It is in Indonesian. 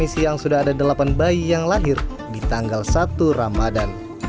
di rmsi yang sudah ada delapan bayi yang lahir di tanggal satu ramadan